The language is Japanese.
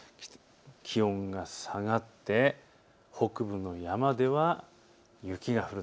気温が下がって北部の山では雪が降る。